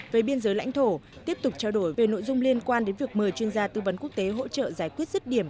về biên giới lãnh thổ tiếp tục trao đổi về nội dung liên quan đến việc mời chuyên gia tư vấn quốc tế hỗ trợ giải quyết rứt điểm